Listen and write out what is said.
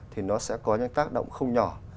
thì nó sẽ có những tác động không nhỏ